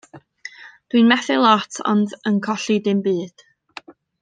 Dw i'n methu lot ond yn colli dim byd.